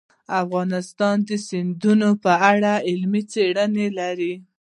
افغانستان د سیندونه په اړه علمي څېړنې لري.